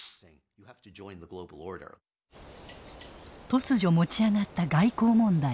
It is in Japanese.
突如持ち上がった外交問題。